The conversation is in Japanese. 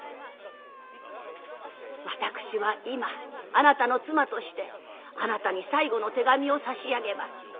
「私は今あなたの妻としてあなたに最後の手紙を差し上げます。